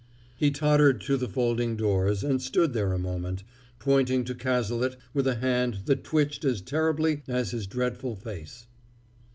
He tottered to the folding doors, and stood there a moment, pointing to Cazalet with a hand that twitched as terribly as his dreadful face.